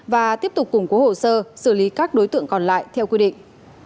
và tiếp tục củng cố hồ sơ xử lý các đối tượng còn lại theo quy định